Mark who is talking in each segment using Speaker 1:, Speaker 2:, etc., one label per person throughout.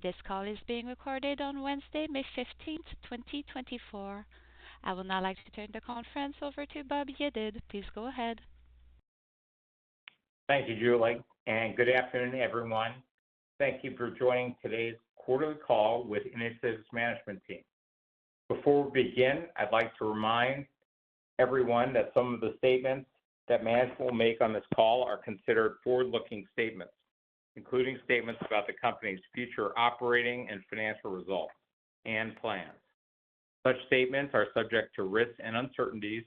Speaker 1: This call is being recorded on Wednesday, May 15th, 2024. I would now like to turn the conference over to Bob Yedid. Please go ahead.
Speaker 2: Thank you, Julie, and good afternoon, everyone. Thank you for joining today's quarterly call with the Inotiv Management Team. Before we begin, I'd like to remind everyone that some of the statements that management will make on this call are considered forward-looking statements, including statements about the company's future operating and financial results and plans. Such statements are subject to risks and uncertainties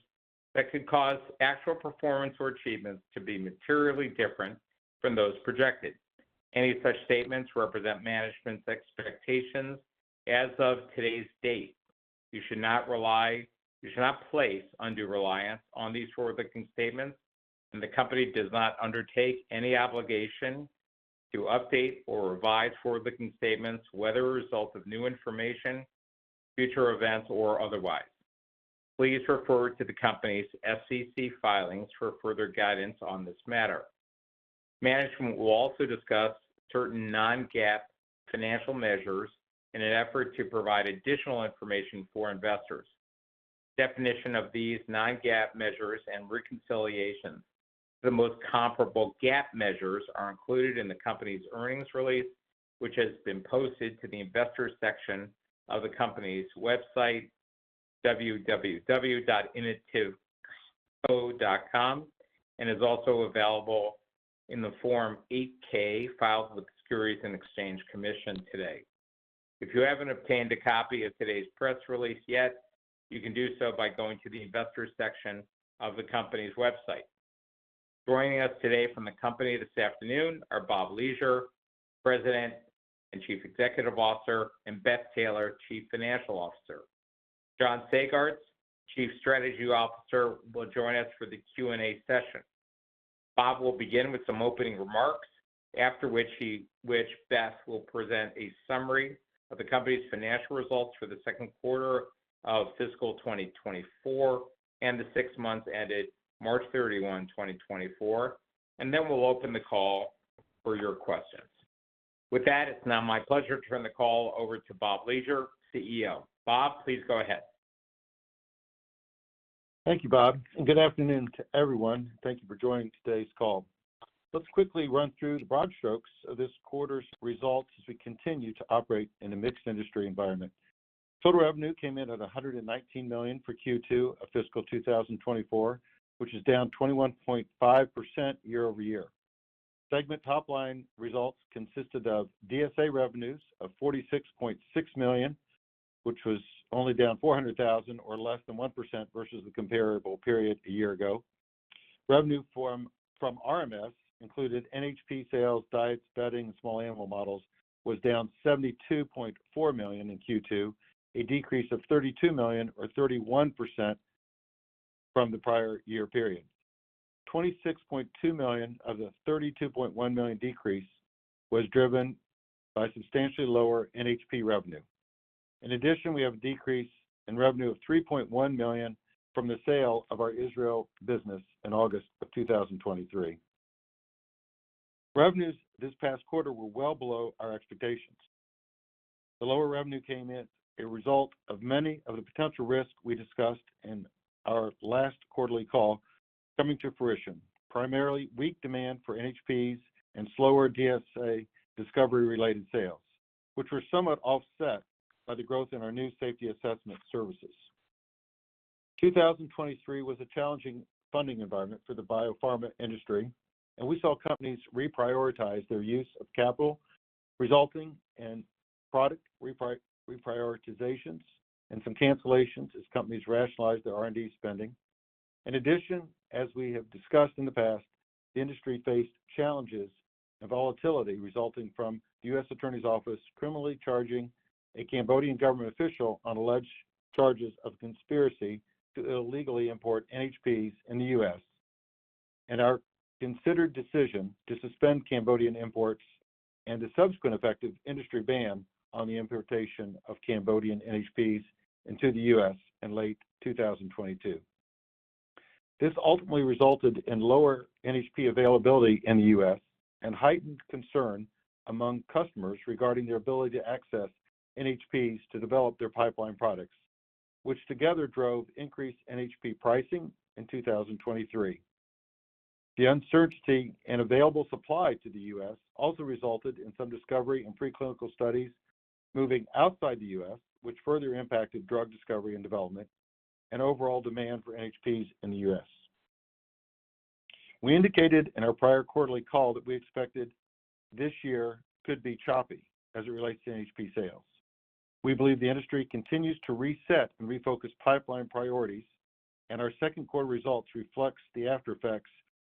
Speaker 2: that could cause actual performance or achievements to be materially different from those projected. Any such statements represent management's expectations as of today's date. You should not rely. You should not place undue reliance on these forward-looking statements, and the company does not undertake any obligation to update or revise forward-looking statements whether as a result of new information, future events, or otherwise. Please refer to the company's SEC filings for further guidance on this matter. Management will also discuss certain non-GAAP financial measures in an effort to provide additional information for investors. Definition of these non-GAAP measures and reconciliation: the most comparable GAAP measures are included in the company's earnings release, which has been posted to the Investors section of the company's website, www.inotivco.com, and is also available in the Form 8-K filed with the Securities and Exchange Commission today. If you haven't obtained a copy of today's press release yet, you can do so by going to the Investors section of the company's website. Joining us today from the company this afternoon are Bob Leasure, President and Chief Executive Officer, and Beth Taylor, Chief Financial Officer. John Sagartz, Chief Strategy Officer, will join us for the Q and A session. Bob will begin with some opening remarks, after which Beth will present a summary of the company's financial results for the second quarter of fiscal 2024 and the six months ended March 31, 2024, and then we'll open the call for your questions. With that, it's now my pleasure to turn the call over to Bob Leasure, CEO. Bob, please go ahead.
Speaker 3: Thank you, Bob, and good afternoon to everyone. Thank you for joining today's call. Let's quickly run through the broad strokes of this quarter's results as we continue to operate in a mixed-industry environment. Total revenue came in at $119 million for Q2 of fiscal 2024, which is down 21.5% year-over-year. Segment top-line results consisted of DSA revenues of $46.6 million, which was only down $400,000 or less than 1% versus the comparable period a year ago. Revenue from RMS included NHP sales, diets, bedding, and small animal models, was down $72.4 million in Q2, a decrease of $32 million or 31% from the prior year period. $26.2 million of the $32.1 million decrease was driven by substantially lower NHP revenue. In addition, we have a decrease in revenue of $3.1 million from the sale of our Israel business in August of 2023. Revenues this past quarter were well below our expectations. The lower revenue came as a result of many of the potential risks we discussed in our last quarterly call coming to fruition, primarily weak demand for NHPs and slower DSA discovery-related sales, which were somewhat offset by the growth in our new safety assessment services. 2023 was a challenging funding environment for the biopharma industry, and we saw companies reprioritize their use of capital, resulting in product reprioritizations and some cancellations as companies rationalized their R&D spending. In addition, as we have discussed in the past, the industry faced challenges and volatility resulting from the U.S. Attorney's Office criminally charging a Cambodian government official on alleged charges of conspiracy to illegally import NHPs in the U.S., and our considered decision to suspend Cambodian imports and a subsequent effective industry ban on the importation of Cambodian NHPs into the U.S. In late 2022. This ultimately resulted in lower NHP availability in the U.S. and heightened concern among customers regarding their ability to access NHPs to develop their pipeline products, which together drove increased NHP pricing in 2023. The uncertainty in available supply to the U.S. also resulted in some discovery and preclinical studies moving outside the U.S., which further impacted drug discovery and development and overall demand for NHPs in the U.S. We indicated in our prior quarterly call that we expected this year could be choppy as it relates to NHP sales. We believe the industry continues to reset and refocus pipeline priorities, and our second quarter results reflect the aftereffects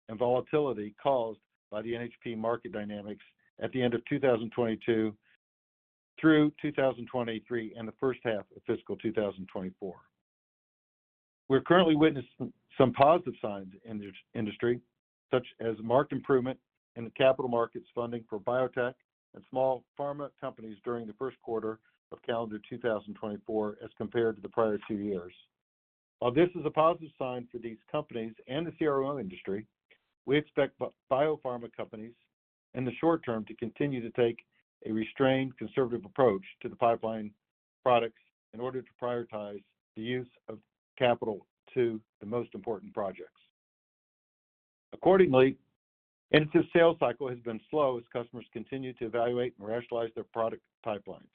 Speaker 3: and volatility caused by the NHP market dynamics at the end of 2022 through 2023 and the first half of fiscal 2024. We're currently witnessing some positive signs in the industry, such as marked improvement in the capital markets funding for biotech and small pharma companies during the first quarter of calendar 2024 as compared to the prior two years. While this is a positive sign for these companies and the CRO industry, we expect biopharma companies in the short term to continue to take a restrained, conservative approach to the pipeline products in order to prioritize the use of capital to the most important projects. Accordingly, Inotiv's sales cycle has been slow as customers continue to evaluate and rationalize their product pipelines.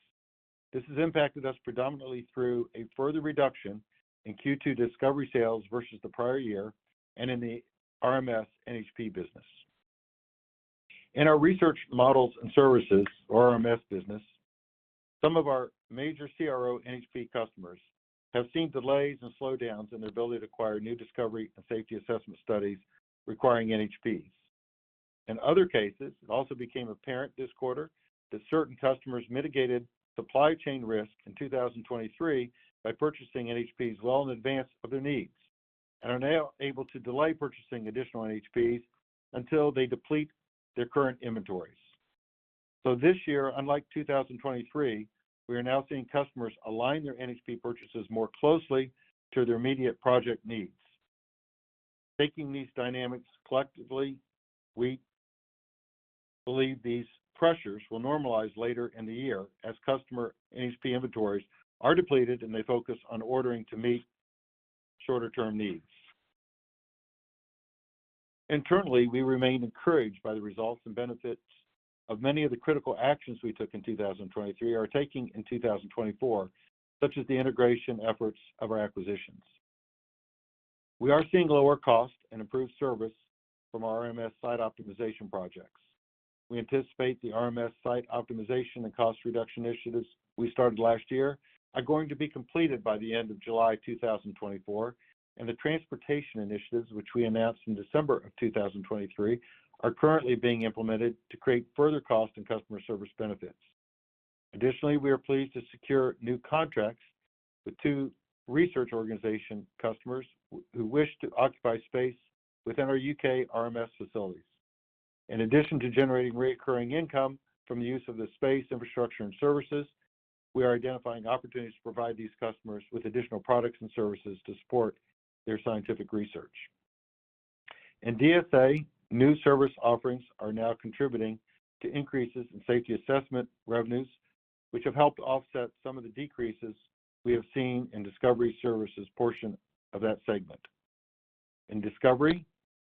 Speaker 3: This has impacted us predominantly through a further reduction in Q2 Discovery sales versus the prior year and in the RMS/NHP business. In our Research Models and Services, or RMS business, some of our major CRO/NHP customers have seen delays and slowdowns in their ability to acquire new discovery and safety assessment studies requiring NHPs. In other cases, it also became apparent this quarter that certain customers mitigated supply chain risk in 2023 by purchasing NHPs well in advance of their needs and are now able to delay purchasing additional NHPs until they deplete their current inventories. So this year, unlike 2023, we are now seeing customers align their NHP purchases more closely to their immediate project needs. Taking these dynamics collectively, we believe these pressures will normalize later in the year as customer NHP inventories are depleted and they focus on ordering to meet shorter-term needs. Internally, we remain encouraged by the results and benefits of many of the critical actions we took in 2023 and are taking in 2024, such as the integration efforts of our acquisitions. We are seeing lower cost and improved service from RMS site optimization projects. We anticipate the RMS site optimization and cost reduction initiatives we started last year are going to be completed by the end of July 2024, and the transportation initiatives, which we announced in December of 2023, are currently being implemented to create further cost and customer service benefits. Additionally, we are pleased to secure new contracts with two research organization customers who wish to occupy space within our U.K. RMS facilities. In addition to generating recurring income from the use of the space, infrastructure, and services, we are identifying opportunities to provide these customers with additional products and services to support their scientific research. In DSA, new service offerings are now contributing to increases in safety assessment revenues, which have helped offset some of the decreases we have seen in discovery services portion of that segment. In discovery,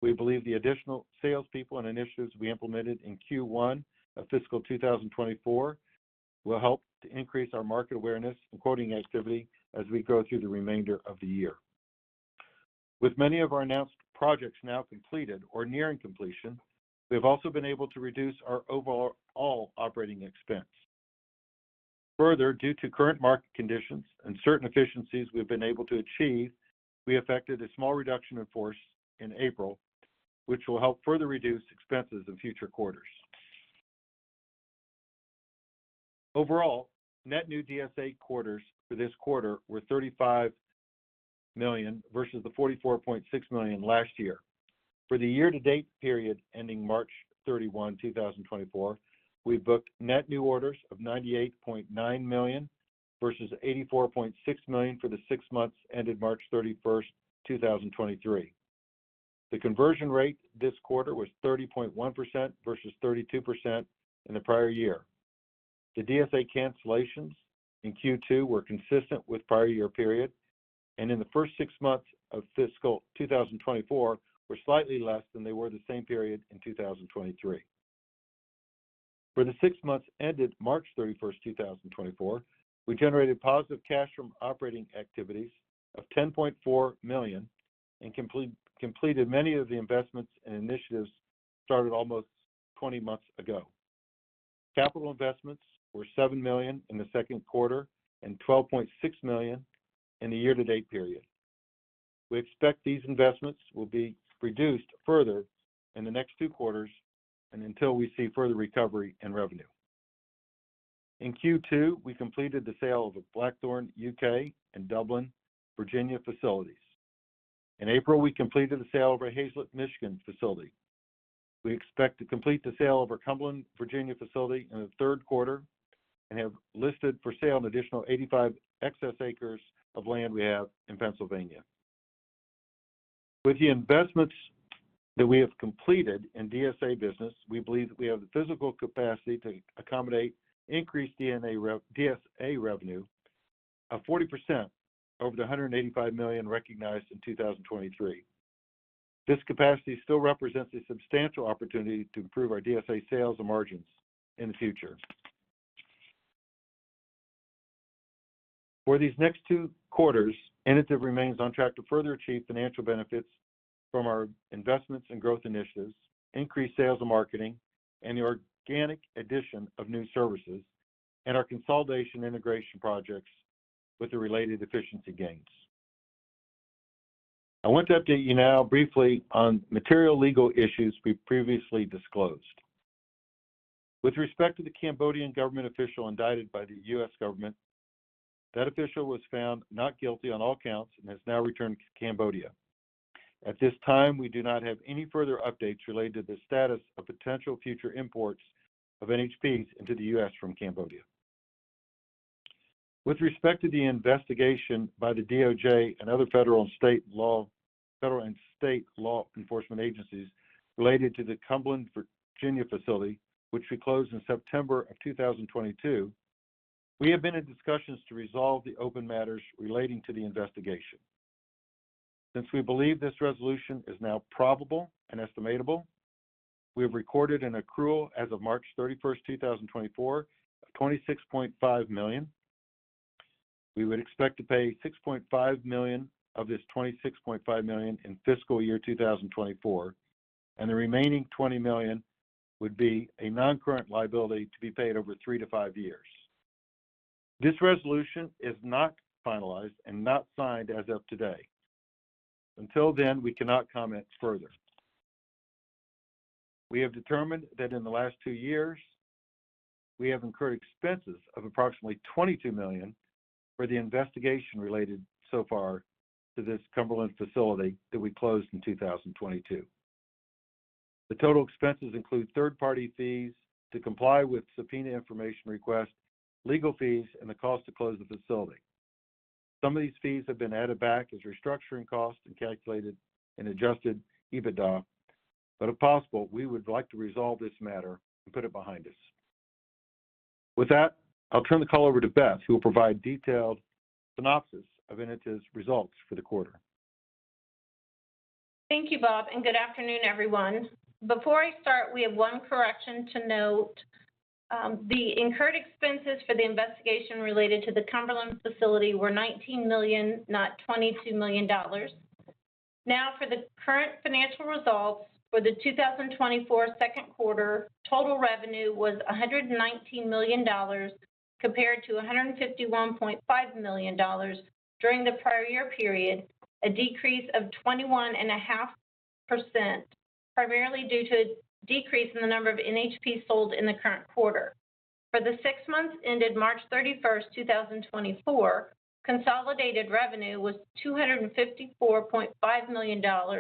Speaker 3: we believe the additional salespeople and initiatives we implemented in Q1 of fiscal 2024 will help to increase our market awareness and quoting activity as we go through the remainder of the year. With many of our announced projects now completed or nearing completion, we have also been able to reduce our overall operating expense. Further, due to current market conditions and certain efficiencies we've been able to achieve, we affected a small reduction in force in April, which will help further reduce expenses in future quarters. Overall, net new DSA orders for this quarter were $35 million versus the $44.6 million last year. For the year-to-date period ending March 31, 2024, we've booked net new orders of $98.9 million versus $84.6 million for the six months ended March 31, 2023. The conversion rate this quarter was 30.1% versus 32% in the prior year. The DSA cancellations in Q2 were consistent with prior year period, and in the first six months of fiscal 2024 were slightly less than they were the same period in 2023. For the six months ended March 31, 2024, we generated positive cash from operating activities of $10.4 million and completed many of the investments and initiatives started almost 20 months ago. Capital investments were $7 million in the second quarter and $12.6 million in the year-to-date period. We expect these investments will be reduced further in the next two quarters and until we see further recovery in revenue. In Q2, we completed the sale of our Blackthorn, U.K., and Dublin, Virginia, facilities. In April, we completed the sale of our Haslett, Michigan facility. We expect to complete the sale of our Cumberland, Virginia facility in the third quarter and have listed for sale an additional 85 excess acres of land we have in Pennsylvania. With the investments that we have completed in DSA business, we believe that we have the physical capacity to accommodate increased DSA revenue of 40% over the $185 million recognized in 2023. This capacity still represents a substantial opportunity to improve our DSA sales and margins in the future. For these next two quarters, Inotiv remains on track to further achieve financial benefits from our investments and growth initiatives, increased sales and marketing, and the organic addition of new services and our consolidation integration projects with the related efficiency gains. I want to update you now briefly on material legal issues we previously disclosed. With respect to the Cambodian government official indicted by the U.S. government, that official was found not guilty on all counts and has now returned to Cambodia. At this time, we do not have any further updates related to the status of potential future imports of NHPs into the U.S. from Cambodia. With respect to the investigation by the DOJ and other federal and state law enforcement agencies related to the Cumberland, Virginia facility, which we closed in September of 2022, we have been in discussions to resolve the open matters relating to the investigation. Since we believe this resolution is now probable and estimatable, we have recorded an accrual as of March 31, 2024, of $26.5 million. We would expect to pay $6.5 million of this $26.5 million in fiscal year 2024, and the remaining $20 million would be a non-current liability to be paid over three to five years. This resolution is not finalized and not signed as of today. Until then, we cannot comment further. We have determined that in the last two years, we have incurred expenses of approximately $22 million for the investigation related so far to this Cumberland facility that we closed in 2022. The total expenses include third-party fees to comply with subpoena information request, legal fees, and the cost to close the facility. Some of these fees have been added back as restructuring costs and calculated in Adjusted EBITDA, but if possible, we would like to resolve this matter and put it behind us. With that, I'll turn the call over to Beth, who will provide detailed synopsis of Inotiv's results for the quarter.
Speaker 4: Thank you, Bob, and good afternoon, everyone. Before I start, we have one correction to note. The incurred expenses for the investigation related to the Cumberland facility were $19 million, not $22 million. Now, for the current financial results for the 2024 second quarter, total revenue was $119 million compared to $151.5 million during the prior year period, a decrease of 21.5% primarily due to a decrease in the number of NHPs sold in the current quarter. For the six months ended March 31, 2024, consolidated revenue was $254.5 million, down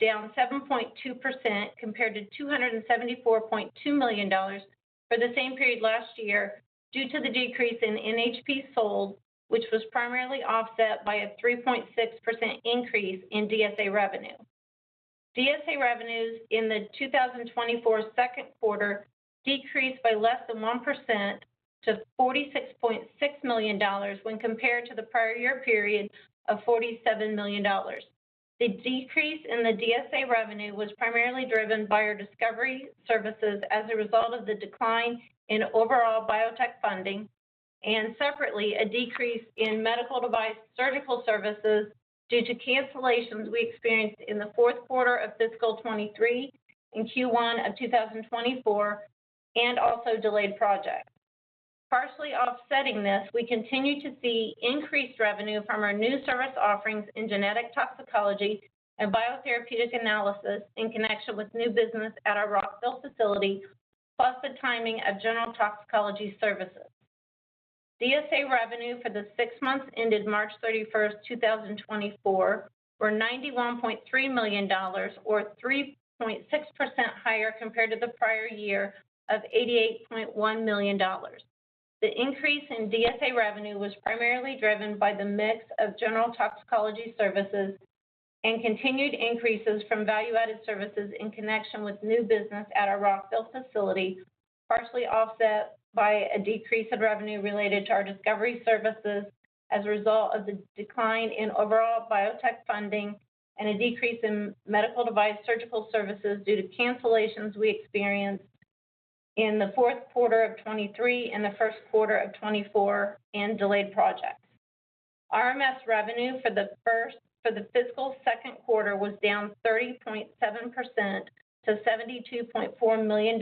Speaker 4: 7.2% compared to $274.2 million for the same period last year due to the decrease in NHPs sold, which was primarily offset by a 3.6% increase in DSA revenue. DSA revenues in the 2024 second quarter decreased by less than 1% to $46.6 million when compared to the prior year period of $47 million. The decrease in the DSA revenue was primarily driven by our discovery services as a result of the decline in overall biotech funding, and separately, a decrease in medical device surgical services due to cancellations we experienced in the fourth quarter of fiscal 2023 and Q1 of 2024, and also delayed projects. Partially offsetting this, we continue to see increased revenue from our new service offerings in genetic toxicology and biotherapeutic analysis in connection with new business at our Rockville facility, plus the timing of general toxicology services. DSA revenue for the six months ended March 31, 2024, were $91.3 million, or 3.6% higher compared to the prior year of $88.1 million. The increase in DSA revenue was primarily driven by the mix of general toxicology services and continued increases from value-added services in connection with new business at our Rockville facility, partially offset by a decrease in revenue related to our discovery services as a result of the decline in overall biotech funding and a decrease in medical device surgical services due to cancellations we experienced in the fourth quarter of 2023 and the first quarter of 2024, and delayed projects. RMS revenue for the fiscal second quarter was down 30.7% to $72.4 million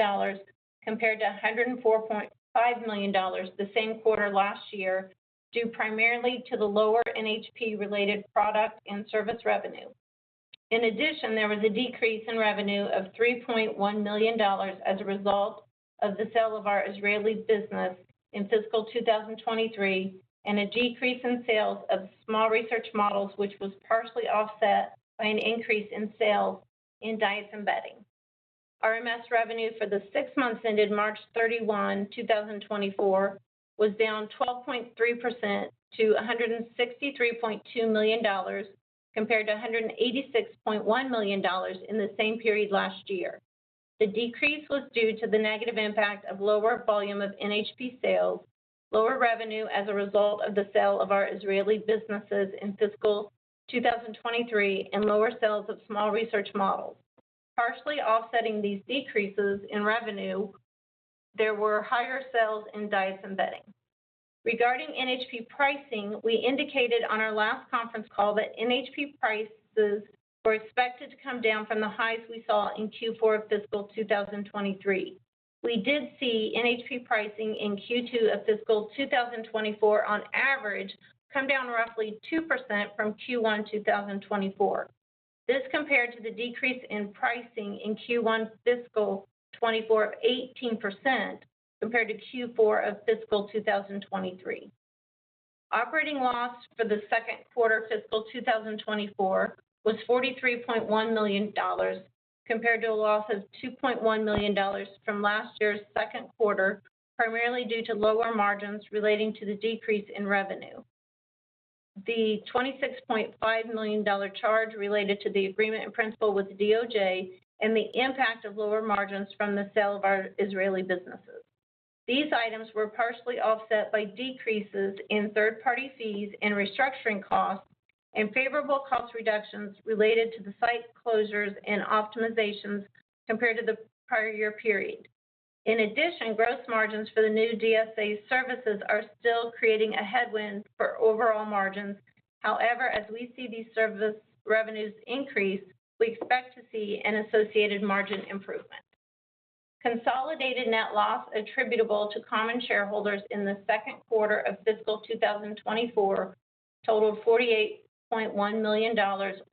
Speaker 4: compared to $104.5 million the same quarter last year due primarily to the lower NHP-related product and service revenue. In addition, there was a decrease in revenue of $3.1 million as a result of the sale of our Israeli business in fiscal 2023 and a decrease in sales of small research models, which was partially offset by an increase in sales in diets and bedding. RMS revenue for the six months ended March 31, 2024, was down 12.3% to $163.2 million compared to $186.1 million in the same period last year. The decrease was due to the negative impact of lower volume of NHP sales, lower revenue as a result of the sale of our Israeli businesses in fiscal 2023, and lower sales of small research models. Partially offsetting these decreases in revenue, there were higher sales in diets and bedding. Regarding NHP pricing, we indicated on our last conference call that NHP prices were expected to come down from the highs we saw in Q4 of fiscal 2023. We did see NHP pricing in Q2 of fiscal 2024, on average, come down roughly 2% from Q1 2024. This compared to the decrease in pricing in Q1 fiscal 2024 of 18% compared to Q4 of fiscal 2023. Operating loss for the second quarter fiscal 2024 was $43.1 million compared to a loss of $2.1 million from last year's second quarter, primarily due to lower margins relating to the decrease in revenue. The $26.5 million charge related to the agreement in principle with the DOJ and the impact of lower margins from the sale of our Israeli businesses. These items were partially offset by decreases in third-party fees and restructuring costs and favorable cost reductions related to the site closures and optimizations compared to the prior year period. In addition, gross margins for the new DSA services are still creating a headwind for overall margins. However, as we see these service revenues increase, we expect to see an associated margin improvement. Consolidated net loss attributable to common shareholders in the second quarter of fiscal 2024 totaled $48.1 million,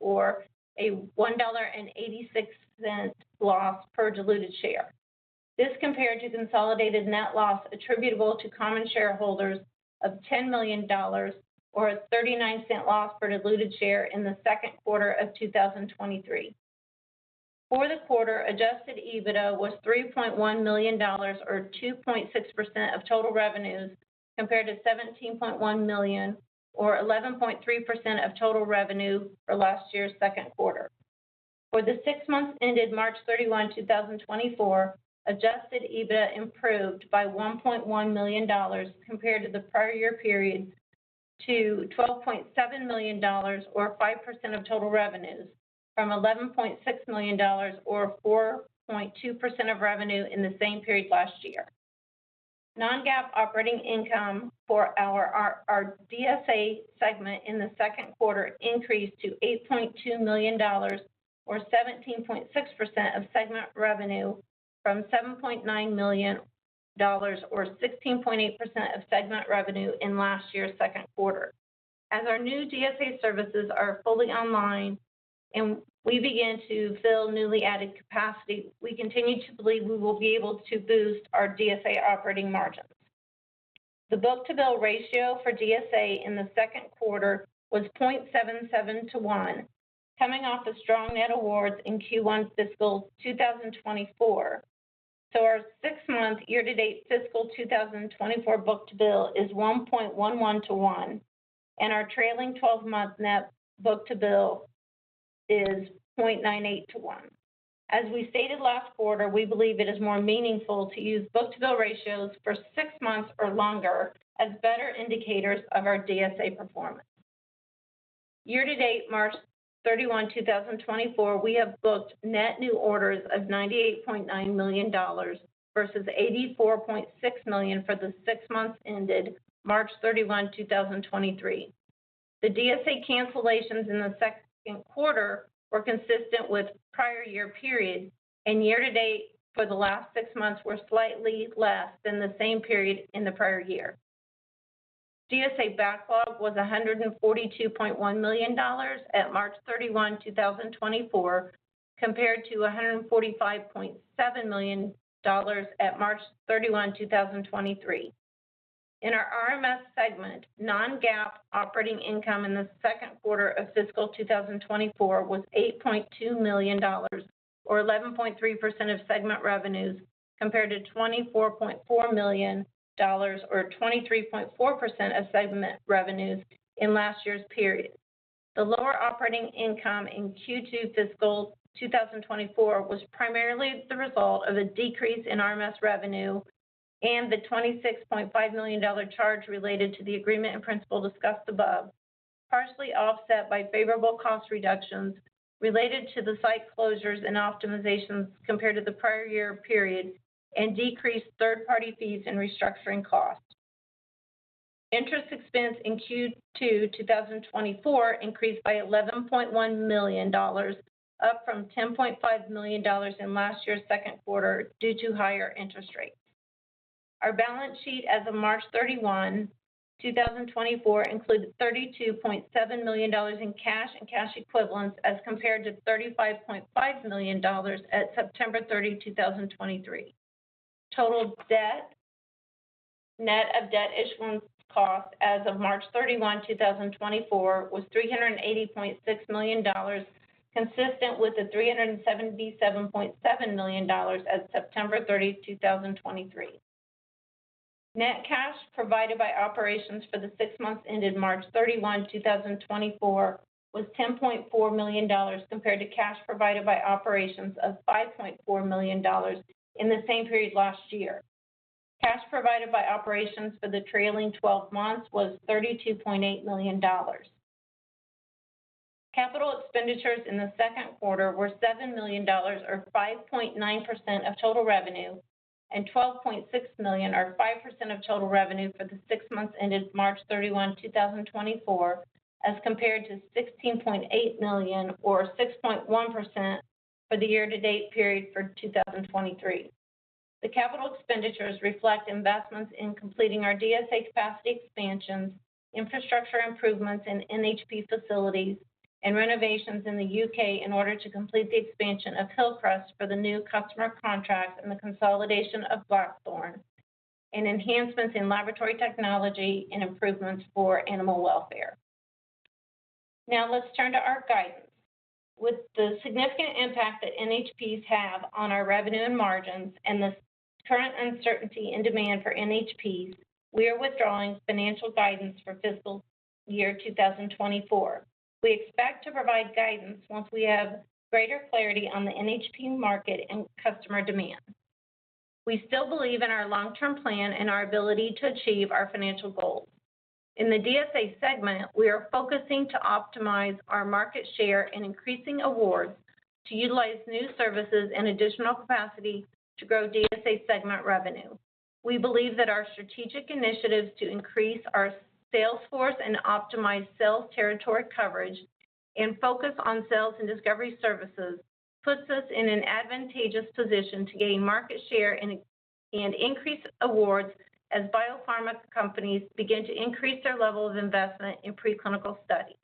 Speaker 4: or a $1.86 loss per diluted share. This compared to consolidated net loss attributable to common shareholders of $10 million, or a $0.39 loss per diluted share in the second quarter of 2023. For the quarter, Adjusted EBITDA was $3.1 million, or 2.6% of total revenues compared to $17.1 million, or 11.3% of total revenue for last year's second quarter. For the six months ended March 31, 2024, Adjusted EBITDA improved by $1.1 million compared to the prior year period to $12.7 million, or 5% of total revenues from $11.6 million, or 4.2% of revenue in the same period last year. Non-GAAP operating income for our DSA segment in the second quarter increased to $8.2 million, or 17.6% of segment revenue from $7.9 million, or 16.8% of segment revenue in last year's second quarter. As our new DSA services are fully online and we begin to fill newly added capacity, we continue to believe we will be able to boost our DSA operating margins. The book-to-bill ratio for DSA in the second quarter was 0.77:1, coming off of strong net awards in Q1 fiscal 2024. So our six-month year-to-date fiscal 2024 book-to-bill is 1.11-to-1, and our trailing 12-month net book-to-bill is 0.98-to-1. As we stated last quarter, we believe it is more meaningful to use book-to-bill ratios for six months or longer as better indicators of our DSA performance. Year-to-date March 31, 2024, we have booked net new orders of $98.9 million versus $84.6 million for the six months ended March 31, 2023. The DSA cancellations in the second quarter were consistent with prior year period, and year-to-date for the last six months were slightly less than the same period in the prior year. DSA backlog was $142.1 million at March 31, 2024, compared to $145.7 million at March 31, 2023. In our RMS segment, non-GAAP operating income in the second quarter of fiscal 2024 was $8.2 million, or 11.3% of segment revenues compared to $24.4 million, or 23.4% of segment revenues in last year's period. The lower operating income in Q2 fiscal 2024 was primarily the result of a decrease in RMS revenue and the $26.5 million charge related to the agreement in principle discussed above, partially offset by favorable cost reductions related to the site closures and optimizations compared to the prior year period, and decreased third-party fees and restructuring costs. Interest expense in Q2 2024 increased by $11.1 million, up from $10.5 million in last year's second quarter due to higher interest rates. Our balance sheet as of March 31, 2024, included $32.7 million in cash and cash equivalents as compared to $35.5 million at September 30, 2023. Total debt net of debt issuance costs as of March 31, 2024, was $380.6 million, consistent with the $377.7 million at September 30, 2023. Net cash provided by operations for the six months ended March 31, 2024, was $10.4 million compared to cash provided by operations of $5.4 million in the same period last year. Cash provided by operations for the trailing 12 months was $32.8 million. Capital expenditures in the second quarter were $7 million, or 5.9% of total revenue, and $12.6 million, or 5% of total revenue for the six months ended March 31, 2024, as compared to $16.8 million, or 6.1% for the year-to-date period for 2023. The capital expenditures reflect investments in completing our DSA capacity expansions, infrastructure improvements in NHP facilities, and renovations in the U.K. in order to complete the expansion of Hillcrest for the new customer contracts and the consolidation of Blackthorn, and enhancements in laboratory technology and improvements for animal welfare. Now, let's turn to our guidance. With the significant impact that NHPs have on our revenue and margins and the current uncertainty in demand for NHPs, we are withdrawing financial guidance for fiscal year 2024. We expect to provide guidance once we have greater clarity on the NHP market and customer demand. We still believe in our long-term plan and our ability to achieve our financial goals. In the DSA segment, we are focusing to optimize our market share and increasing awards to utilize new services and additional capacity to grow DSA segment revenue. We believe that our strategic initiatives to increase our sales force and optimize sales territory coverage and focus on sales and discovery services puts us in an advantageous position to gain market share and increase awards as biopharma companies begin to increase their level of investment in preclinical studies.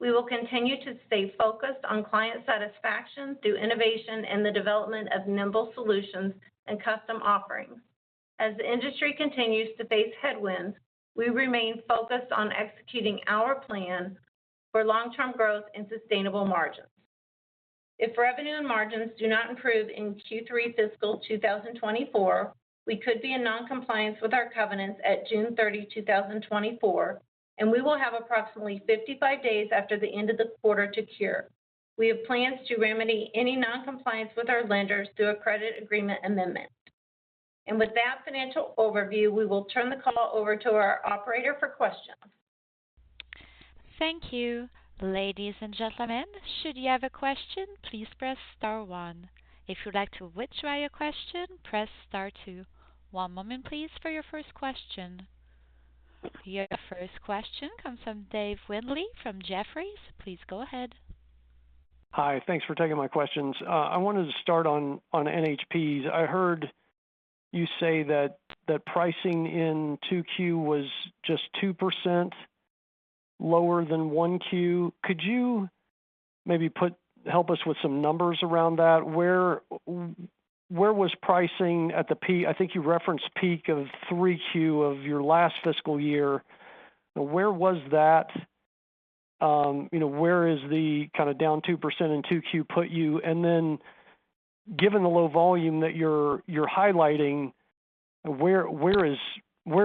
Speaker 4: We will continue to stay focused on client satisfaction through innovation and the development of nimble solutions and custom offerings. As the industry continues to face headwinds, we remain focused on executing our plan for long-term growth and sustainable margins. If revenue and margins do not improve in Q3 fiscal 2024, we could be in noncompliance with our covenants at June 30, 2024, and we will have approximately 55 days after the end of the quarter to cure. We have plans to remedy any noncompliance with our lenders through a credit agreement amendment. With that financial overview, we will turn the call over to our operator for questions.
Speaker 1: Thank you, ladies and gentlemen. Should you have a question, please press star one. If you'd like to withdraw your question, press star two. One moment, please, for your first question. Your first question comes from Dave Windley from Jefferies. Please go ahead.
Speaker 5: Hi. Thanks for taking my questions. I wanted to start on NHPs. I heard you say that pricing in 2Q was just 2% lower than 1Q. Could you maybe help us with some numbers around that? Where was pricing at the peak? I think you referenced peak of 3Q of your last fiscal year. Where was that? Where is the kind of down 2% in 2Q put you? And then given the low volume that you're highlighting, where is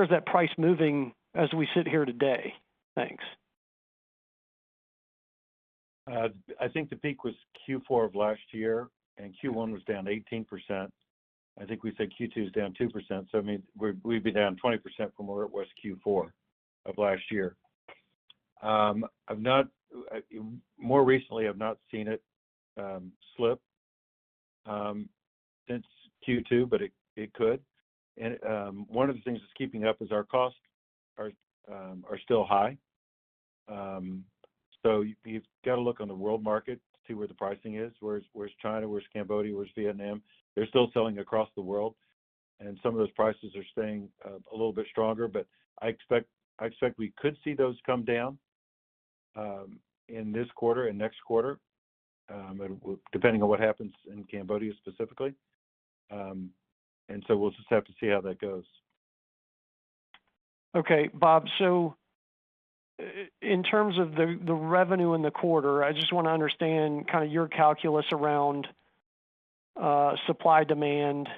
Speaker 5: that price moving as we sit here today? Thanks.
Speaker 3: I think the peak was Q4 of last year, and Q1 was down 18%. I think we said Q2 is down 2%. So I mean, we'd be down 20% from where it was Q4 of last year. More recently, I've not seen it slip since Q2, but it could. And one of the things that's keeping up is our costs are still high. So you've got to look on the world market to see where the pricing is. Where's China? Where's Cambodia? Where's Vietnam? They're still selling across the world, and some of those prices are staying a little bit stronger. But I expect we could see those come down in this quarter and next quarter, depending on what happens in Cambodia specifically. And so we'll just have to see how that goes.
Speaker 5: Okay, Bob. So in terms of the revenue in the quarter, I just want to understand kind of your calculus around supply-demand.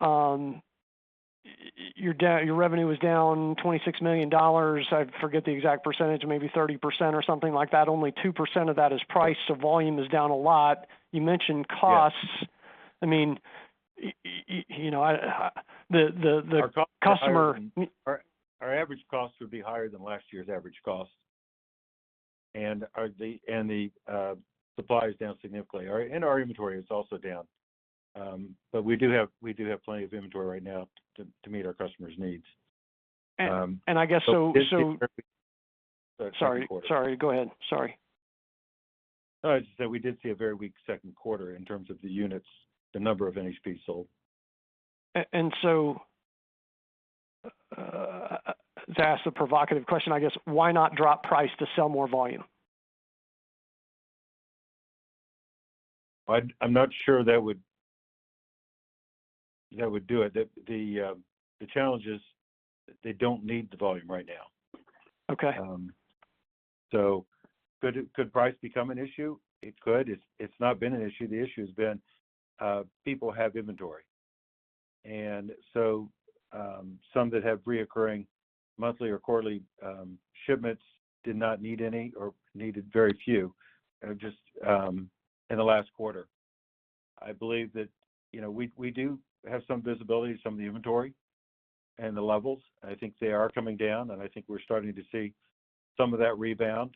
Speaker 5: Your revenue was down $26 million. I forget the exact percentage, maybe 30% or something like that. Only 2% of that is price. So volume is down a lot. You mentioned costs. I mean, the customer.
Speaker 3: Our average costs would be higher than last year's average costs, and the supply is down significantly. Our inventory is also down. We do have plenty of inventory right now to meet our customers' needs.
Speaker 5: I guess so.
Speaker 3: This is very weak.
Speaker 5: Sorry.
Speaker 3: Sorry. Go ahead. Sorry. No, I was just going to say we did see a very weak second quarter in terms of the units, the number of NHPs sold.
Speaker 5: And so to ask the provocative question, I guess, why not drop price to sell more volume?
Speaker 3: I'm not sure that would do it. The challenge is they don't need the volume right now. So could price become an issue? It could. It's not been an issue. The issue has been people have inventory. And so some that have recurring monthly or quarterly shipments did not need any or needed very few in the last quarter. I believe that we do have some visibility to some of the inventory and the levels. I think they are coming down, and I think we're starting to see some of that rebound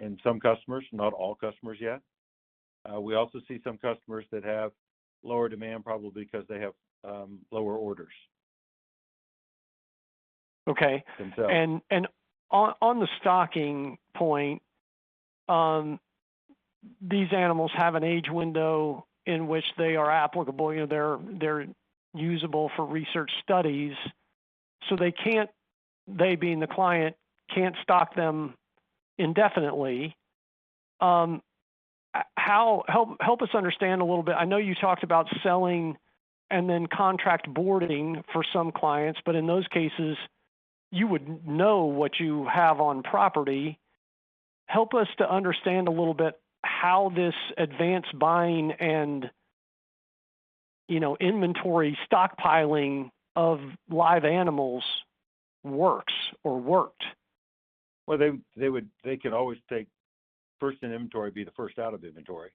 Speaker 3: in some customers, not all customers yet. We also see some customers that have lower demand, probably because they have lower orders themselves.
Speaker 5: Okay. And on the stocking point, these animals have an age window in which they are applicable. They're usable for research studies. So they, being the client, can't stock them indefinitely. Help us understand a little bit. I know you talked about selling and then contract boarding for some clients, but in those cases, you would know what you have on property. Help us to understand a little bit how this advanced buying and inventory stockpiling of live animals works or worked?
Speaker 3: Well, they could always take first in inventory, be the first out of inventory.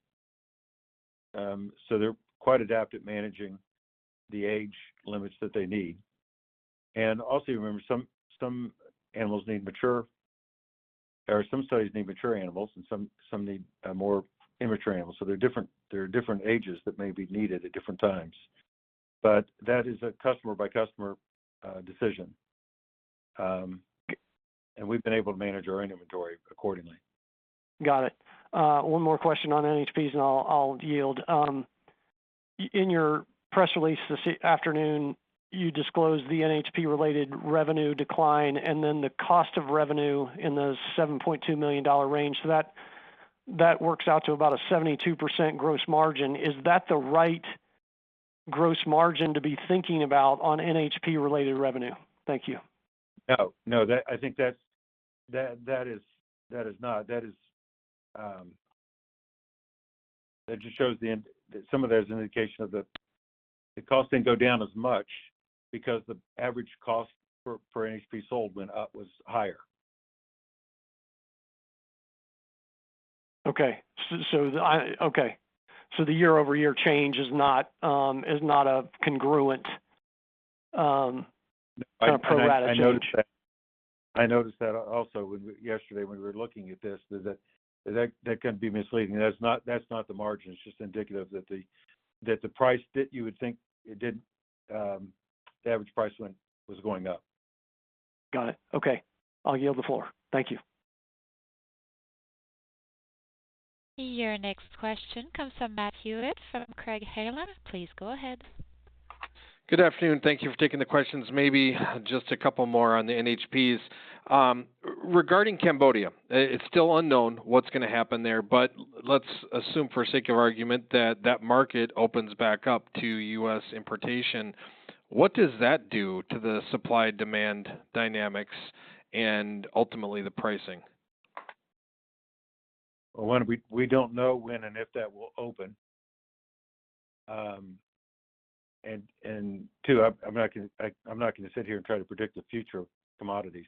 Speaker 3: So they're quite adapted managing the age limits that they need. And also, you remember, some animals need mature or some studies need mature animals, and some need more immature animals. So there are different ages that may be needed at different times. But that is a customer-by-customer decision. And we've been able to manage our own inventory accordingly.
Speaker 5: Got it. One more question on NHPs, and I'll yield. In your press release this afternoon, you disclosed the NHP-related revenue decline and then the cost of revenue in the $7.2 million range. So that works out to about a 72% gross margin. Is that the right gross margin to be thinking about on NHP-related revenue? Thank you.
Speaker 3: No. No, I think that is not. That just shows some of that is an indication of the cost didn't go down as much because the average cost for NHPs sold was higher.
Speaker 5: Okay. Okay. So the year-over-year change is not a congruent kind of pro rata change?
Speaker 3: No, I noticed that also. Yesterday, when we were looking at this, that couldn't be misleading. That's not the margin. It's just indicative that the price that you would think it didn't, the average price was going up.
Speaker 5: Got it. Okay. I'll yield the floor. Thank you.
Speaker 1: Your next question comes from Matt Hewitt from Craig-Hallum. Please go ahead.
Speaker 6: Good afternoon. Thank you for taking the questions. Maybe just a couple more on the NHPs. Regarding Cambodia, it's still unknown what's going to happen there, but let's assume for sake of argument that that market opens back up to U.S. importation. What does that do to the supply-demand dynamics and ultimately the pricing?
Speaker 3: One, we don't know when and if that will open. And two, I'm not going to sit here and try to predict the future of commodities.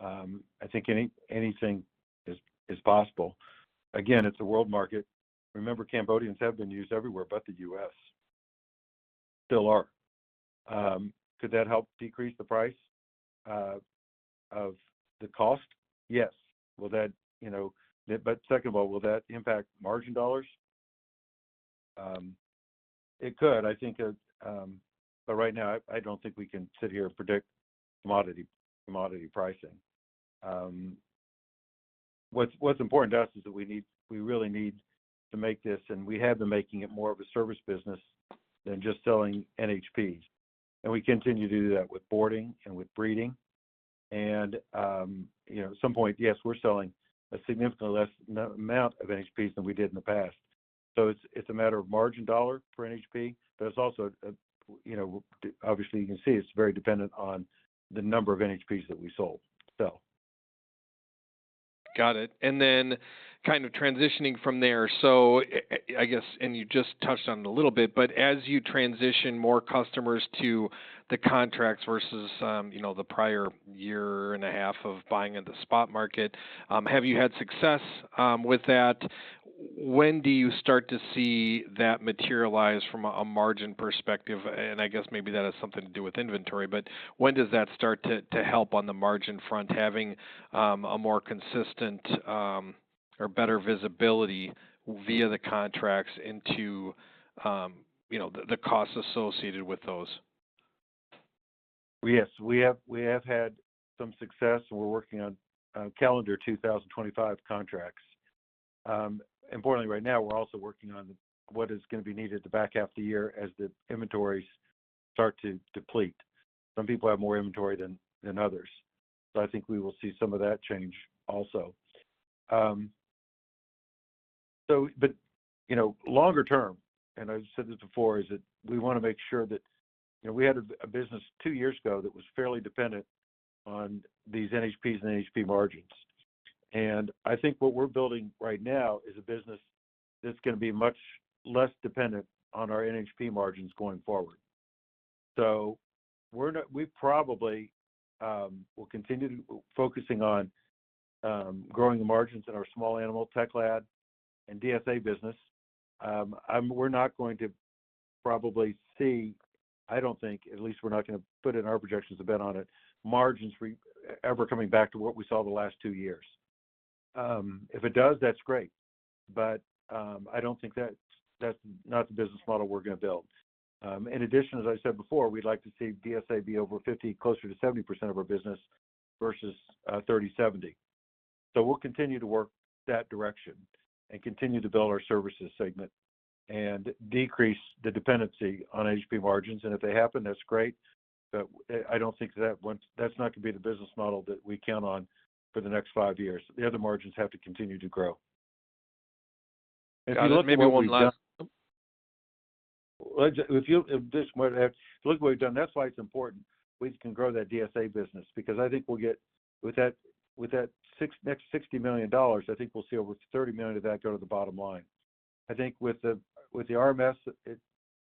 Speaker 3: I think anything is possible. Again, it's a world market. Remember, Cambodians have been used everywhere but the U.S. Still are. Could that help decrease the price of the cost? Yes. But second of all, will that impact margin dollars? It could, I think. But right now, I don't think we can sit here and predict commodity pricing. What's important to us is that we really need to make this, and we have been making it more of a service business than just selling NHPs. And we continue to do that with boarding and with breeding. And at some point, yes, we're selling a significantly less amount of NHPs than we did in the past. It's a matter of margin dollar for NHP, but it's also obviously, you can see it's very dependent on the number of NHPs that we sell.
Speaker 6: Got it. And then kind of transitioning from there, so I guess, and you just touched on it a little bit, but as you transition more customers to the contracts versus the prior year and a half of buying in the spot market, have you had success with that? When do you start to see that materialize from a margin perspective? And I guess maybe that has something to do with inventory, but when does that start to help on the margin front, having a more consistent or better visibility via the contracts into the costs associated with those?
Speaker 3: Yes. We have had some success, and we're working on calendar 2025 contracts. Importantly, right now, we're also working on what is going to be needed the back half of the year as the inventories start to deplete. Some people have more inventory than others. So I think we will see some of that change also. But longer term, and I said this before, is that we want to make sure that we had a business two years ago that was fairly dependent on these NHPs and NHP margins. And I think what we're building right now is a business that's going to be much less dependent on our NHP margins going forward. So we probably will continue focusing on growing the margins in our small animal tox lab and DSA business. We're not going to probably see, I don't think, at least we're not going to put in our projections a bet on it, margins ever coming back to what we saw the last two years. If it does, that's great. But I don't think that's not the business model we're going to build. In addition, as I said before, we'd like to see DSA be over 50, closer to 70% of our business versus 30-70. So we'll continue to work that direction and continue to build our services segment and decrease the dependency on NHP margins. And if they happen, that's great. But I don't think that's not going to be the business model that we count on for the next five years. The other margins have to continue to grow.
Speaker 6: Maybe one last.
Speaker 3: If you look at what we've done, that's why it's important. We can grow that DSA business because I think we'll get with that next $60 million, I think we'll see over $30 million of that go to the bottom line. I think with the RMS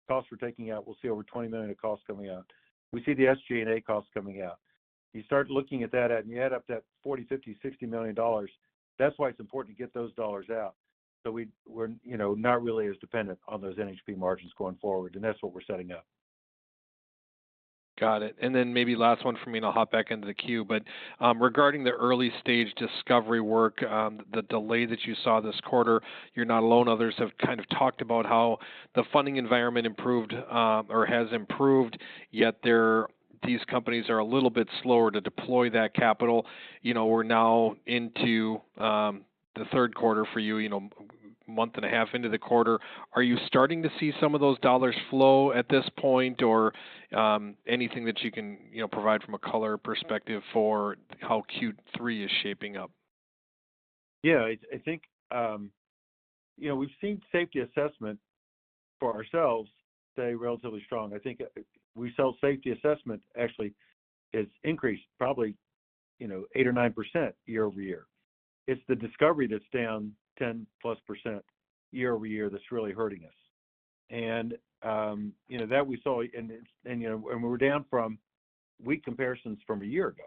Speaker 3: costs we're taking out, we'll see over $20 million of costs coming out. We see the SG&A costs coming out. You start looking at that, and you add up that $40 million-$60 million. That's why it's important to get those dollars out. So we're not really as dependent on those NHP margins going forward, and that's what we're setting up.
Speaker 6: Got it. Then maybe last one for me, and I'll hop back into the queue. But regarding the early-stage discovery work, the delay that you saw this quarter, you're not alone. Others have kind of talked about how the funding environment improved or has improved, yet these companies are a little bit slower to deploy that capital. We're now into the third quarter for you, month and a half into the quarter. Are you starting to see some of those dollars flow at this point or anything that you can provide from a color perspective for how Q3 is shaping up?
Speaker 3: Yeah. I think we've seen safety assessment for ourselves stay relatively strong. I think we sell safety assessment, actually, has increased probably 8% or 9% year-over-year. It's the discovery that's down 10%+ year-over-year that's really hurting us. And that we saw, and we were down from weak comparisons from a year ago.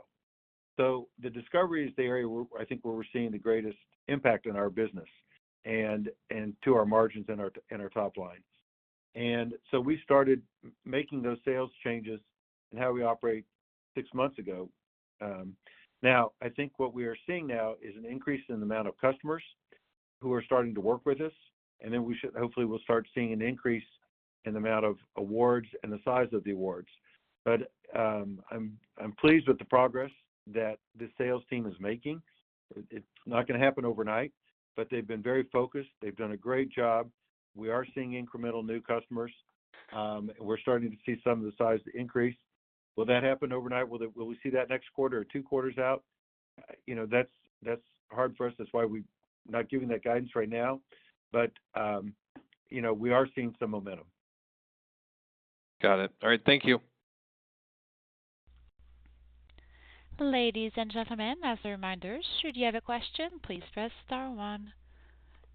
Speaker 3: So the discovery is the area, I think, where we're seeing the greatest impact in our business and to our margins and our top lines. And so we started making those sales changes in how we operate six months ago. Now, I think what we are seeing now is an increase in the amount of customers who are starting to work with us. And then hopefully, we'll start seeing an increase in the amount of awards and the size of the awards. I'm pleased with the progress that the sales team is making. It's not going to happen overnight, but they've been very focused. They've done a great job. We are seeing incremental new customers. We're starting to see some of the size increase. Will that happen overnight? Will we see that next quarter or two quarters out? That's hard for us. That's why we're not giving that guidance right now. We are seeing some momentum.
Speaker 6: Got it. All right. Thank you.
Speaker 1: Ladies and gentlemen, as a reminder, should you have a question, please press star one.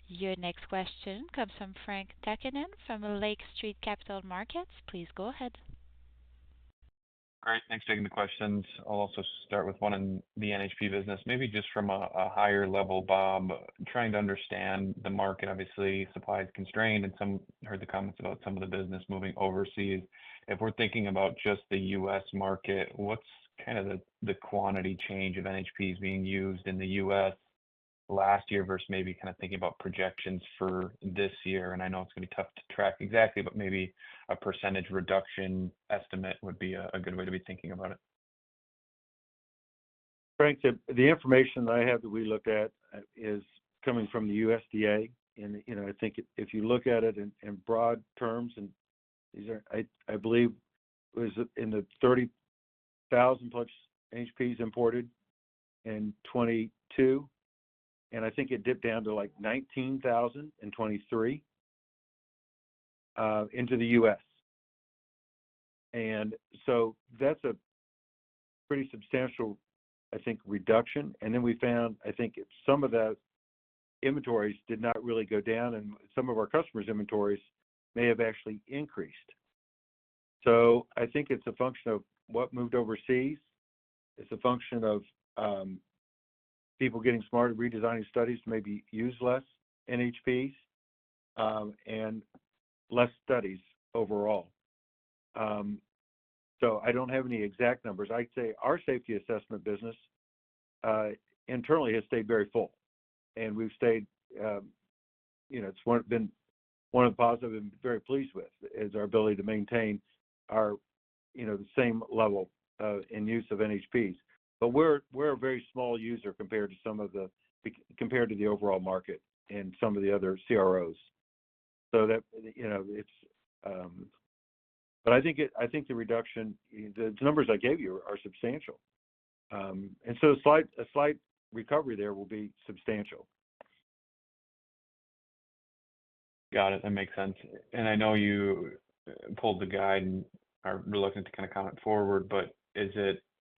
Speaker 1: Your next question comes from Frank Takkinen from Lake Street Capital Markets. Please go ahead.
Speaker 7: All right. Thanks for taking the questions. I'll also start with one in the NHP business. Maybe just from a higher level, Bob, trying to understand the market. Obviously, supply is constrained, and some heard the comments about some of the business moving overseas. If we're thinking about just the U.S. market, what's kind of the quantity change of NHPs being used in the U.S. last year versus maybe kind of thinking about projections for this year? And I know it's going to be tough to track exactly, but maybe a percentage reduction estimate would be a good way to be thinking about it.
Speaker 3: Frank, the information that I have that we looked at is coming from the USDA. I think if you look at it in broad terms, and I believe it was 30,000+ NHPs imported in 2022, and I think it dipped down to like 19,000 in 2023 into the U.S. So that's a pretty substantial, I think, reduction. Then we found, I think, some of that inventories did not really go down, and some of our customers' inventories may have actually increased. So I think it's a function of what moved overseas. It's a function of people getting smarter, redesigning studies to maybe use less NHPs and less studies overall. So I don't have any exact numbers. I'd say our safety assessment business internally has stayed very full. We've stayed. It's been one of the positives I've been very pleased with: our ability to maintain the same level in use of NHPs. But we're a very small user compared to the overall market and some of the other CROs. But I think the reduction, the numbers I gave you, are substantial. And so a slight recovery there will be substantial.
Speaker 7: Got it. That makes sense. I know you pulled the guide, and we're looking to kind of comment forward, but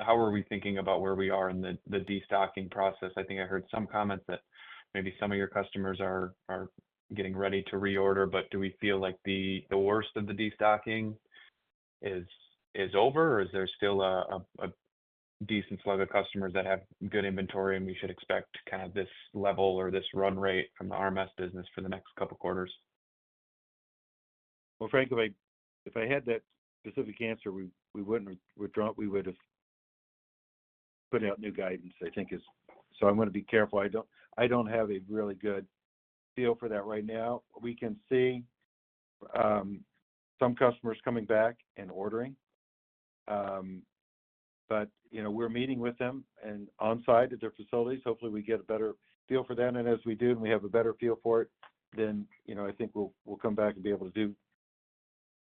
Speaker 7: how are we thinking about where we are in the destocking process? I think I heard some comments that maybe some of your customers are getting ready to reorder, but do we feel like the worst of the destocking is over, or is there still a decent slug of customers that have good inventory, and we should expect kind of this level or this run rate from the RMS business for the next couple of quarters?
Speaker 3: Well, Frank, if I had that specific answer, we wouldn't withdraw. We would have put out new guidance, I think so, I'm going to be careful. I don't have a really good feel for that right now. We can see some customers coming back and ordering, but we're meeting with them onsite at their facilities. Hopefully, we get a better feel for them. And as we do, and we have a better feel for it, then I think we'll come back and be able to do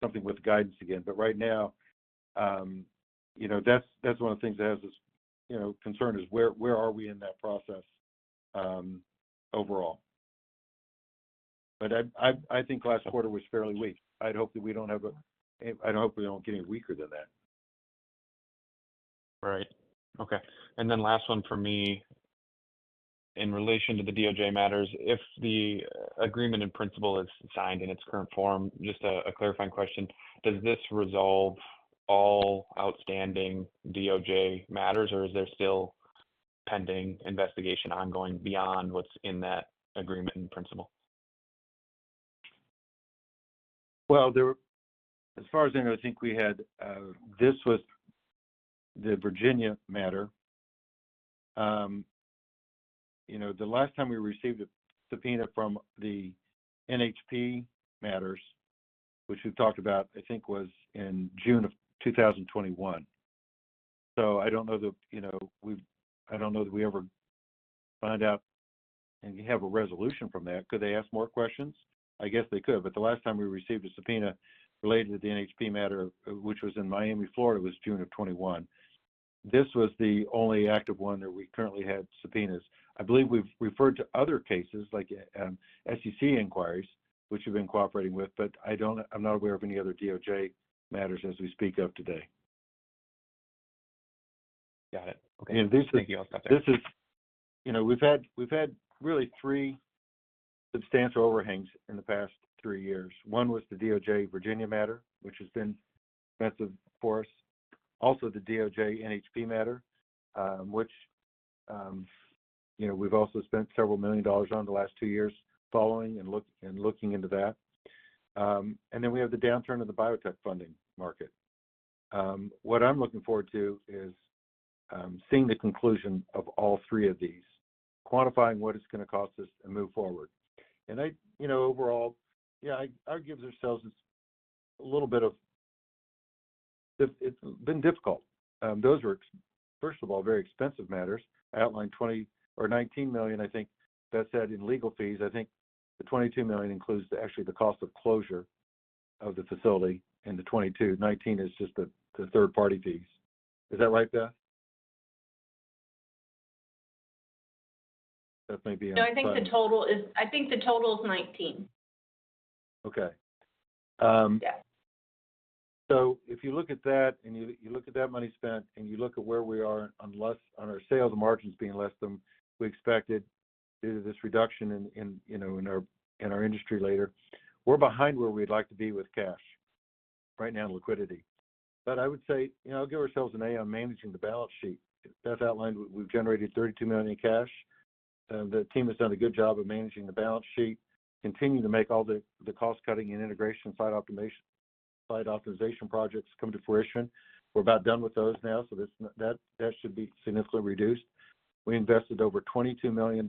Speaker 3: something with guidance again. But right now, that's one of the things that has us concerned is where are we in that process overall? But I think last quarter was fairly weak. I hope we don't get any weaker than that.
Speaker 7: Right. Okay. And then last one for me in relation to the DOJ matters. If the agreement in principle is signed in its current form, just a clarifying question, does this resolve all outstanding DOJ matters, or is there still pending investigation ongoing beyond what's in that agreement in principle?
Speaker 3: Well, as far as I know, I think we had. This was the Virginia matter. The last time we received a subpoena from the NHP matters, which we've talked about, I think was in June of 2021. So I don't know that we ever find out and have a resolution from that. Could they ask more questions? I guess they could. But the last time we received a subpoena related to the NHP matter, which was in Miami, Florida, was June of 2021. This was the only active one that we currently had subpoenas. I believe we've referred to other cases like SEC inquiries, which we've been cooperating with, but I'm not aware of any other DOJ matters as we speak of today.
Speaker 7: Got it. Okay. Thank you. I'll stop there.
Speaker 3: We've had really three substantial overhangs in the past 3 years. One was the DOJ Virginia matter, which has been expensive for us. Also, the DOJ NHP matter, which we've also spent $several million on the last 2 years following and looking into that. And then we have the downturn of the biotech funding market. What I'm looking forward to is seeing the conclusion of all three of these, quantifying what it's going to cost us and move forward. And overall, yeah, I would give ourselves a little bit of it's been difficult. Those were, first of all, very expensive matters. I outlined $20 million or $19 million, I think, Beth said, in legal fees. I think the $22 million includes actually the cost of closure of the facility and the $19 million is just the third-party fees. Is that right, Beth? Beth may be on the side.
Speaker 4: No, I think the total is, I think the total is $ 19.
Speaker 3: Okay. So if you look at that and you look at that money spent and you look at where we are on our sales margins being less than we expected due to this reduction in our industry later, we're behind where we'd like to be with cash right now in liquidity. But I would say I'll give ourselves an A on managing the balance sheet. Beth outlined we've generated $32 million in cash. The team has done a good job of managing the balance sheet, continuing to make all the cost-cutting and integration side optimization projects come to fruition. We're about done with those now, so that should be significantly reduced. We invested over $22 million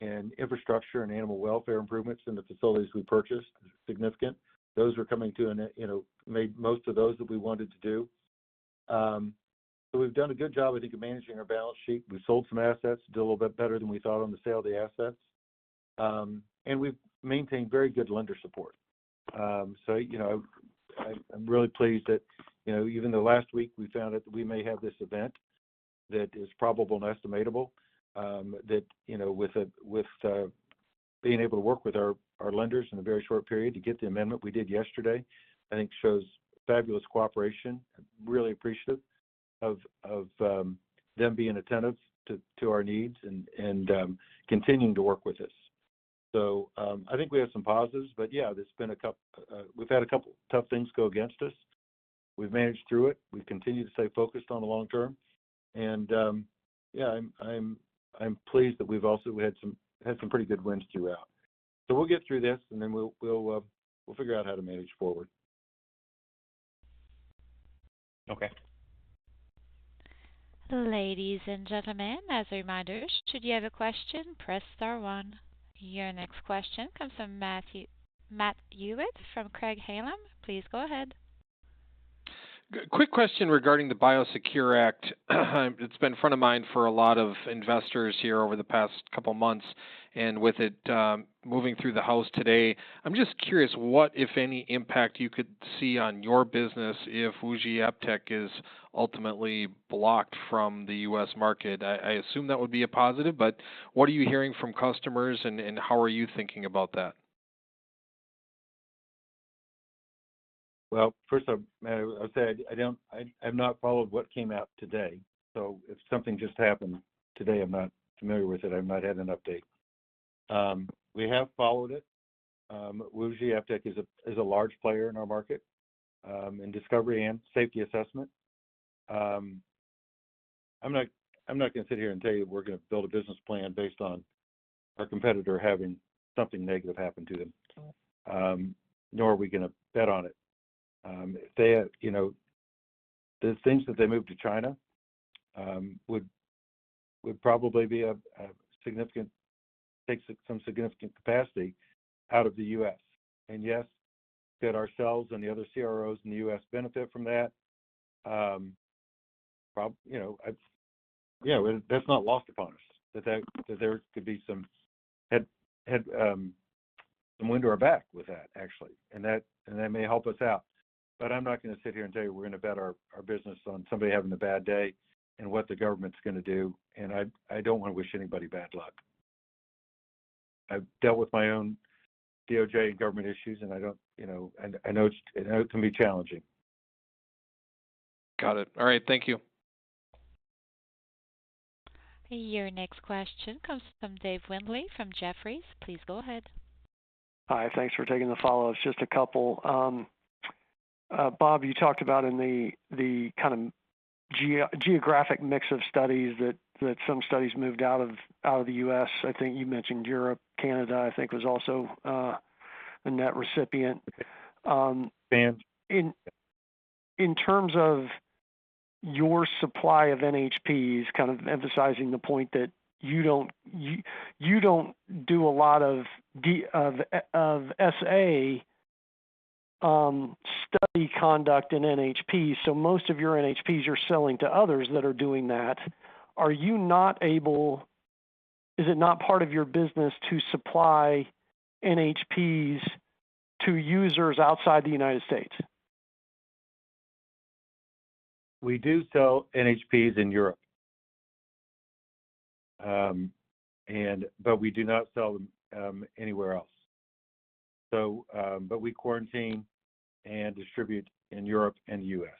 Speaker 3: in infrastructure and animal welfare improvements in the facilities we purchased, significant. Those were coming to an end. Made most of those that we wanted to do. So we've done a good job, I think, of managing our balance sheet. We sold some assets, did a little bit better than we thought on the sale of the assets. We've maintained very good lender support. So I'm really pleased that even the last week, we found out that we may have this event that is probable and estimatable that with being able to work with our lenders in a very short period to get the amendment we did yesterday, I think, shows fabulous cooperation, really appreciative of them being attentive to our needs and continuing to work with us. So I think we have some positives. But yeah, we've had a couple of tough things go against us. We've managed through it. We've continued to stay focused on the long term. Yeah, I'm pleased that we've also had some pretty good wins throughout. We'll get through this, and then we'll figure out how to manage forward.
Speaker 7: Okay.
Speaker 1: Ladies and gentlemen, as a reminder, should you have a question, press star one. Your next question comes from Matt Hewitt from Craig-Hallum. Please go ahead.
Speaker 6: Quick question regarding the BIOSECURE Act. It's been front of mind for a lot of investors here over the past couple of months. With it moving through the House today, I'm just curious what, if any, impact you could see on your business if WuXi AppTec is ultimately blocked from the U.S. market. I assume that would be a positive, but what are you hearing from customers, and how are you thinking about that?
Speaker 3: Well, first of all, as I said, I've not followed what came out today. So if something just happened today, I'm not familiar with it. I've not had an update. We have followed it. WuXi AppTec is a large player in our market in discovery and safety assessment. I'm not going to sit here and tell you we're going to build a business plan based on our competitor having something negative happen to them, nor are we going to bet on it. The things that they moved to China would probably take some significant capacity out of the U.S. And yes, could ourselves and the other CROs in the U.S. benefit from that? Yeah, that's not lost upon us, that there could be some wind to our back with that, actually, and that may help us out. But I'm not going to sit here and tell you we're going to bet our business on somebody having a bad day and what the government's going to do. I don't want to wish anybody bad luck. I've dealt with my own DOJ and government issues, and I don't I know it can be challenging.
Speaker 6: Got it. All right. Thank you.
Speaker 1: Your next question comes from Dave Windley from Jefferies. Please go ahead.
Speaker 5: Hi. Thanks for taking the follow-up. Just a couple. Bob, you talked about in the kind of geographic mix of studies that some studies moved out of the U.S. I think you mentioned Europe. Canada, I think, was also a net recipient.
Speaker 8: Spain.
Speaker 5: In terms of your supply of NHPs, kind of emphasizing the point that you don't do a lot of SA study conduct in NHPs, so most of your NHPs you're selling to others that are doing that, are you not able? Is it not part of your business to supply NHPs to users outside the United States?
Speaker 3: We do sell NHPs in Europe, but we do not sell them anywhere else. But we quarantine and distribute in Europe and the U.S.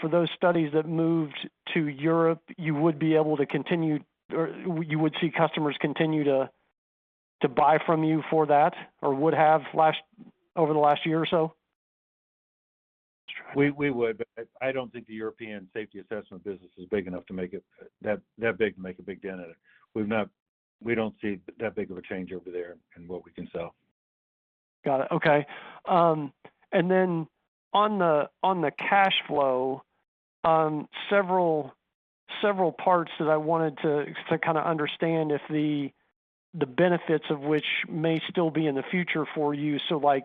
Speaker 5: For those studies that moved to Europe, you would be able to continue or you would see customers continue to buy from you for that or would have over the last year or so?
Speaker 3: We would, but I don't think the European safety assessment business is big enough to make it that big to make a big dent in it. We don't see that big of a change over there in what we can sell.
Speaker 5: Got it. Okay. And then on the cash flow, several parts that I wanted to kind of understand if the benefits of which may still be in the future for you, so like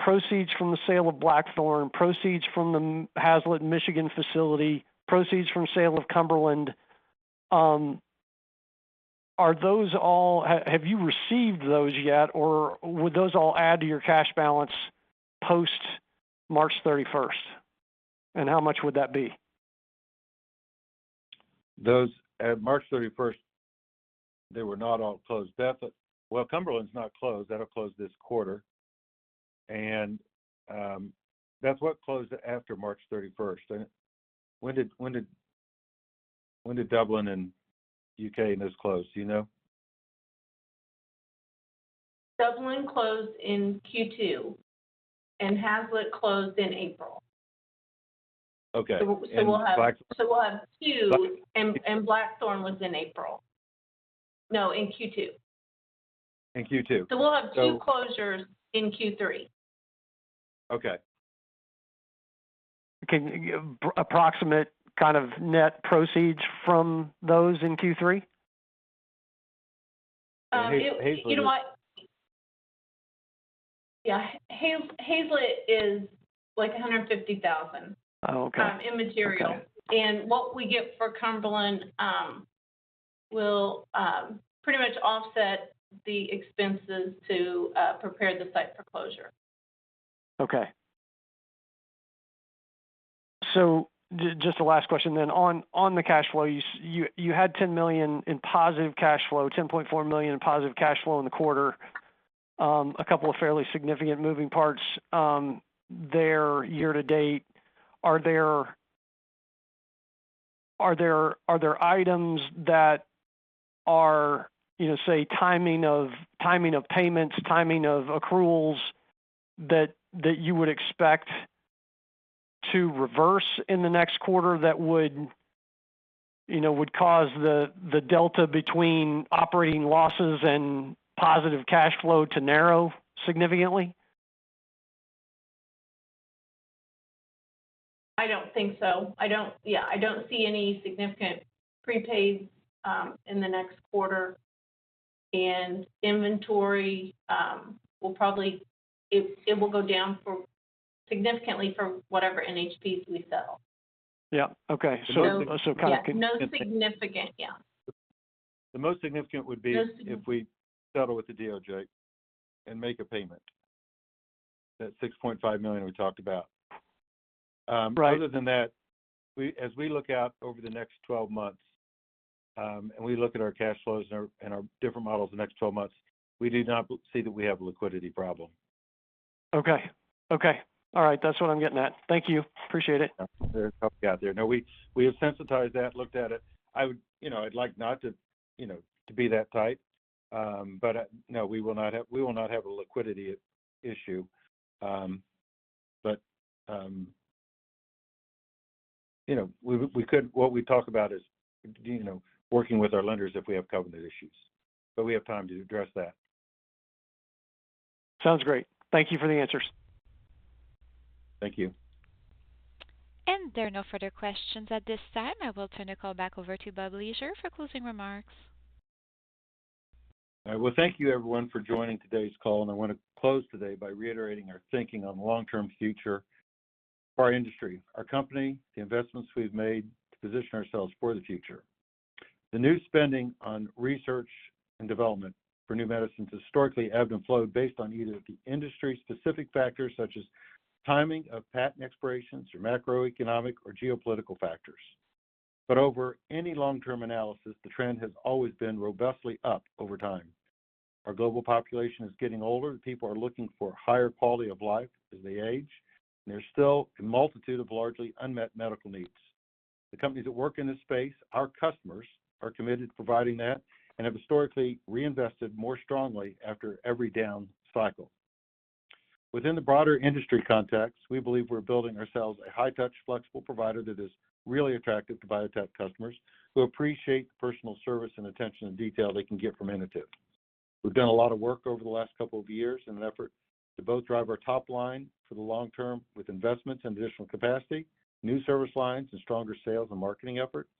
Speaker 5: proceeds from the sale of Blackthorn, proceeds from the Haslett, Michigan facility, proceeds from sale of Cumberland, are those all have you received those yet, or would those all add to your cash balance post March 31st? And how much would that be?
Speaker 3: March 31st, they were not all closed, Beth. Well, Cumberland's not closed. That'll close this quarter. And Beth, what closed after March 31st? When did Dublin and U.K. and Haslett close, do you know?
Speaker 4: Dublin closed in Q2, and Haslett closed in April. So we'll have so we'll have two, and Blackthorn was in April. No, in Q2.
Speaker 3: In Q2.
Speaker 4: We'll have two closures in Q3.
Speaker 3: Okay.
Speaker 5: Can you give approximate kind of net proceeds from those in Q3?
Speaker 4: You know what? Yeah, Haslett is like $150,000 in material. And what we get for Cumberland will pretty much offset the expenses to prepare the site for closure.
Speaker 5: Okay. So just a last question then. On the cash flow, you had $10 million in positive cash flow, $10.4 million in positive cash flow in the quarter, a couple of fairly significant moving parts there year to date. Are there items that are, say, timing of payments, timing of accruals that you would expect to reverse in the next quarter that would cause the delta between operating losses and positive cash flow to narrow significantly?
Speaker 4: I don't think so. Yeah, I don't see any significant prepaids in the next quarter. And inventory will probably go down significantly for whatever NHPs we sell.
Speaker 5: Yeah. Okay. So kind of.
Speaker 4: Yeah. No significant. Yeah.
Speaker 8: The most significant would be if we settle with the DOJ and make a payment, that $6.5 million we talked about. Other than that, as we look out over the next 12 months, and we look at our cash flows and our different models the next 12 months, we do not see that we have a liquidity problem.
Speaker 5: Okay. Okay. All right. That's what I'm getting at. Thank you. Appreciate it.
Speaker 3: There's a couple out there. No, we have sensitized that, looked at it. I'd like not to be that tight, but no, we will not have a liquidity issue. But we could. What we talk about is working with our lenders if we have covenant issues. But we have time to address that.
Speaker 5: Sounds great. Thank you for the answers.
Speaker 3: Thank you.
Speaker 1: There are no further questions at this time. I will turn the call back over to Bob Leasure for closing remarks.
Speaker 3: All right. Well, thank you, everyone, for joining today's call. And I want to close today by reiterating our thinking on the long-term future for our industry, our company, the investments we've made to position ourselves for the future. The new spending on research and development for new medicines historically ebbed and flowed based on either the industry-specific factors such as timing of patent expirations or macroeconomic or geopolitical factors. But over any long-term analysis, the trend has always been robustly up over time. Our global population is getting older. People are looking for higher quality of life as they age, and there's still a multitude of largely unmet medical needs. The companies that work in this space, our customers, are committed to providing that and have historically reinvested more strongly after every down cycle. Within the broader industry context, we believe we're building ourselves a high-touch, flexible provider that is really attractive to biotech customers who appreciate the personal service and attention and detail they can get from Inotiv. We've done a lot of work over the last couple of years in an effort to both drive our top line for the long term with investments and additional capacity, new service lines, and stronger sales and marketing efforts,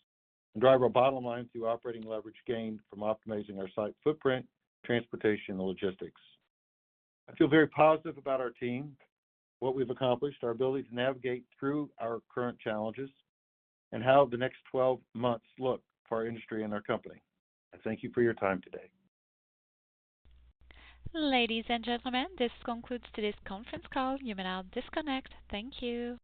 Speaker 3: and drive our bottom line through operating leverage gained from optimizing our site footprint, transportation, and logistics. I feel very positive about our team, what we've accomplished, our ability to navigate through our current challenges, and how the next 12 months look for our industry and our company. I thank you for your time today.
Speaker 1: Ladies and gentlemen, this concludes today's conference call. You may now disconnect. Thank you.